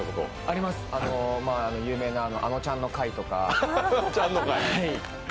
あります、有名なあのちゃんの回とか。